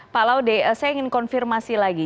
pak laude saya ingin konfirmasi lagi